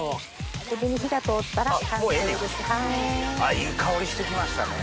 いい香りしてきましたね。